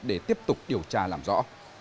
để tiếp tục điều tra làm rõ